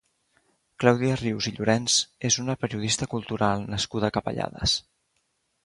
Clàudia Rius i Llorens és una periodista cultural nascuda a Capellades.